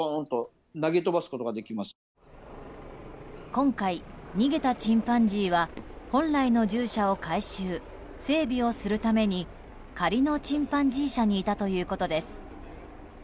今回、逃げたチンパンジーは本来の獣舎を改修整備をするために仮のチンパンジー舎にいたということです。